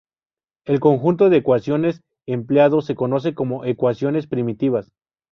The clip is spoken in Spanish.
El conjunto de ecuaciones empleado se conoce como "ecuaciones primitivas".